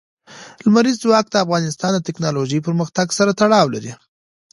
لمریز ځواک د افغانستان د تکنالوژۍ پرمختګ سره تړاو لري.